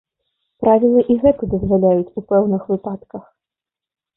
Правілы і гэта дазваляюць у пэўных выпадках.